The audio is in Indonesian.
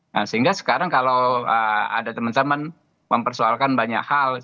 nah sehingga sekarang kalau ada teman teman mempersoalkan banyak hal